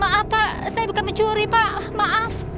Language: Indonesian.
maaf pak saya bukan pencuri pak maaf